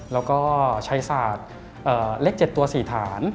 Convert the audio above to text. แล้วก็ใช้ศาสตร์เลข๗ตัว๔ฐาน